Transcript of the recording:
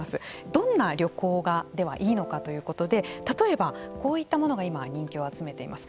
どんな旅行がではいいのかということで例えばこういったものが今人気を集めています。